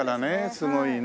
すごいね。